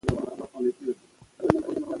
آیا ته غواړې چې یو ښه کتاب ولولې؟